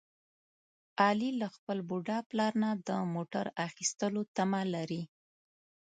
علي له خپل بوډا پلار نه د موټر اخیستلو تمه لري.